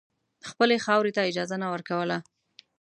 خپلې خاورې ته اجازه نه ورکوله.